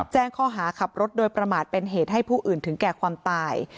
แจ้งข้อหาขับรถโดยประมาทเป็นเหตุให้ผู้อื่นถึงแก่ความตาย